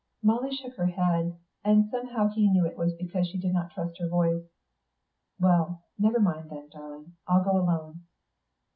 Molly shook her head, and he somehow knew it was because she did not trust her voice. "Well, never mind, then, darling. I'll go alone."